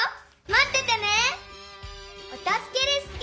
まっててね！